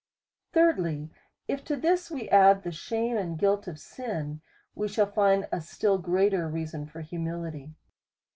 Thirdly, If to this we add the shame and guilt of sin, we shall lind a still greater reason for humility.